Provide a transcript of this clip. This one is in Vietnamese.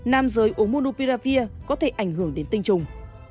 nam giới ốmupiravir có thể ảnh hưởng đến tinh trùng